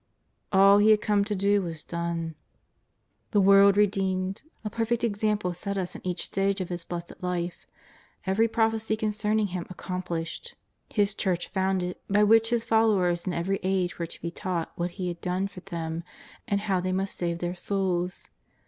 All He had come to do was done — the world re JESUS OF NAZARETH. 363 deemed; a perfect example set us in each stage of His blessed Life; every proi^liecj concerning Him accom plished; His Church founded, by which His followers in every age Avere to be taught w^hat He had done for them, and how^ they must save their souls.